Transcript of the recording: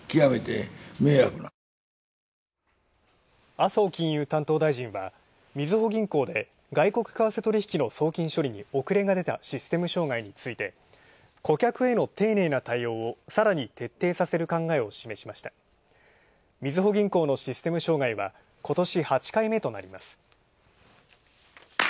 麻生金融担当大臣は、みずほ銀行で外国為替取引の送金処理に遅れが出たシステム障害について顧客への丁寧な対応をみずほ銀行のシステム障害はことし８回目となります。